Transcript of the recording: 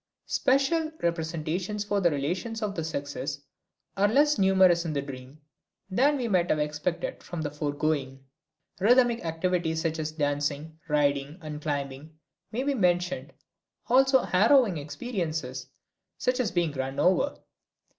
Special representations for the relations of the sexes are less numerous in the dream than we might have expected from the foregoing. Rhythmic activities, such as dancing, riding and climbing may be mentioned, also harrowing experiences, such as being run over.